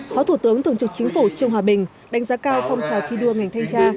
phó thủ tướng thường trực chính phủ trương hòa bình đánh giá cao phong trào thi đua ngành thanh tra